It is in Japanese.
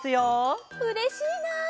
うれしいな！